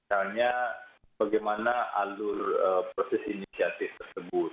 misalnya bagaimana alur proses inisiatif tersebut